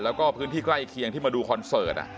แล้วก็พื้นที่ใกล้เคียงที่มาดูคอนเสิร์ต